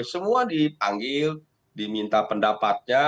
semua dipanggil diminta pendapatnya